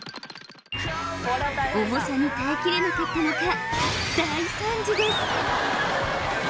重さに耐えきれなかったのか大惨事です